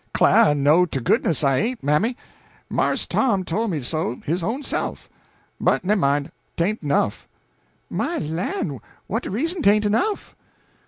"'Clah to goodness I ain't, mammy; Marse Tom tole me so his own self. But nemmine, 'tain't enough." "My lan', what de reason 'tain't enough?"